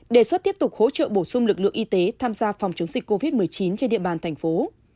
đề xuất tiếp tục hỗ trợ bổ sung lực lượng y tế tham gia phòng chống dịch covid một mươi chín trên địa bàn thành phố